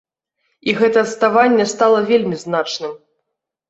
І гэта адставанне стала вельмі значным.